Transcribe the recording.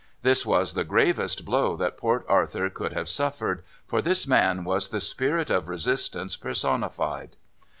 This was the gravest blow that Port Arthur could have suffered, for this man was the spirit of resistance personified.